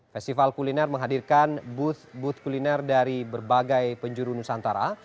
festival kuliner menghadirkan booth booth kuliner dari berbagai penjuru nusantara